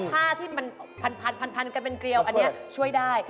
ผ้าที่มันพันกันเป็นเกลียวอันนี้ช่วยได้